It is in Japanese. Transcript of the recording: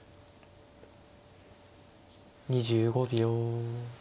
２５秒。